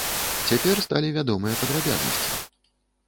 Цяпер сталі вядомыя падрабязнасці.